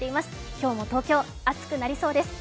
今日も東京、暑くなりそうです。